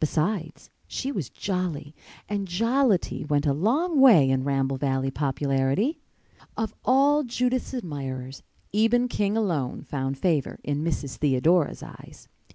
Besides, she was "jolly," and jollity went a long way in Ramble Valley popularity. Of all Judith's admirers Eben King alone found favor in Mrs. Theodora's eyes.